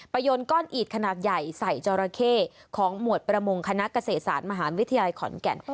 โยนก้อนอิดขนาดใหญ่ใส่จอราเข้ของหมวดประมงคณะเกษตรศาสตร์มหาวิทยาลัยขอนแก่น